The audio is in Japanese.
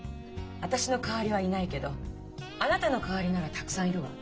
私の代わりはいないけどあなたの代わりならたくさんいるわ。